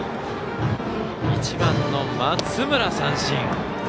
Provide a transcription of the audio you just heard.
１番の松村、三振。